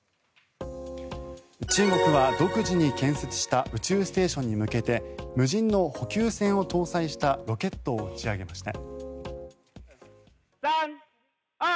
中国は独自に建設した宇宙ステーションに向けて無人の補給船を搭載したロケットを打ち上げました。